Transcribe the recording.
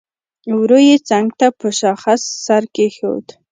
ورو يې څنګ ته په شاخ سر کېښود.